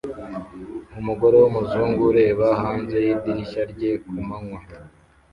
Umugore wumuzungu ureba hanze yidirishya rye kumanywa